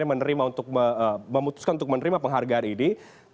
yang menerima untuk memutuskan untuk menerima penghargaan ini